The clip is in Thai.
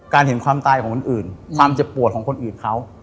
เห็นความตายของคนอื่นความเจ็บปวดของคนอื่นเขา